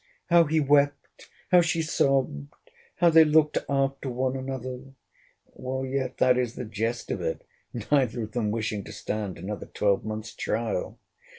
How he wept! How she sobb'd! How they looked after one another!' Yet, that's the jest of it, neither of them wishing to stand another twelvemonth's trial.